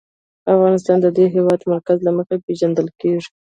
افغانستان د د هېواد مرکز له مخې پېژندل کېږي.